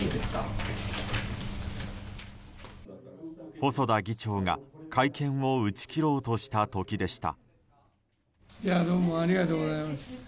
細田議長が会見を打ち切ろうとした時でした。